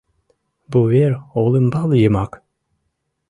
Вувер олымбал йымак